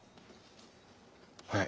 はい！